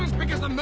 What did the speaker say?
何？